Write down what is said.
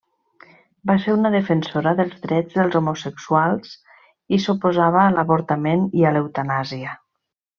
Va ser una defensora dels drets dels homosexuals i s'oposava a l'avortament i a l'eutanàsia.